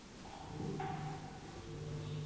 钱不是问题，问题就是没有钱